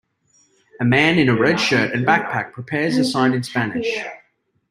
A man in a red shirt and backpack prepares a sign in Spanish.